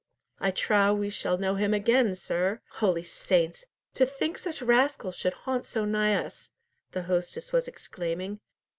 "I trow we shall know him again, sir. Holy saints! to think such rascals should haunt so nigh us," the hostess was exclaiming.